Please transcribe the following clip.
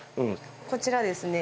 こちらですね。